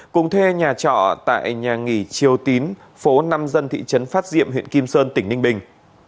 cùng thuê nhà trọ tại nhà nghỉ triều tín phố năm dân thị trấn phát diệm huyện kim sơn tỉnh ninh bình